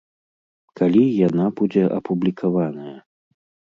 Калі яна будзе апублікаваная?